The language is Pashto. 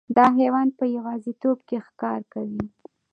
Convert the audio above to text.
دا حیوان په یوازیتوب کې ښکار کوي.